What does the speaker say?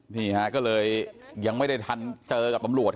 นี่ฮะก็เลยยังไม่ได้ทันเจอกับตำรวจ